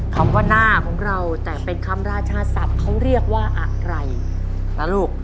คำว่าหน้าของเราแต่เป็นคำราชาศัพท์เขาเรียกว่าอะไรนะลูก